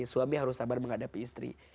suami harus sabar menghadapi istri